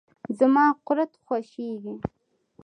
زما قورت خوشیزی.